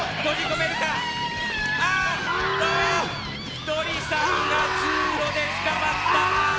ひとりさんが通路で捕まった。